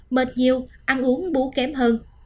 mệt nhiều ăn uống bú kém hơn